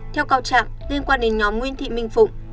theo cao trạng liên quan đến nhóm nguyễn thị minh phụng